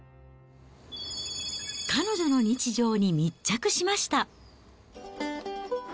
彼女の日常に密着しました。